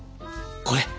これ！